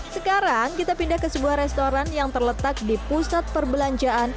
sekarang kita pindah ke sebuah restoran yang terletak di pusat perbelanjaan